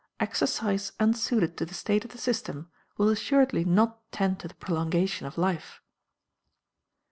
Exercise unsuited to the state of the system will assuredly not tend to the prolongation of life.